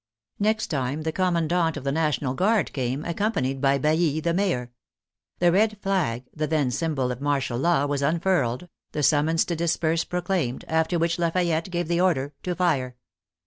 Next time the commandant of the National Guard came, accompanied by Bailly the mayor. The red flag, the then symbol of martial law, was unfurled, the summons to disperse proclaimed, after which Lafayette gave the order to fire.